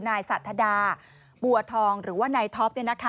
นายสาธาดาบัวทองหรือว่านายท็อป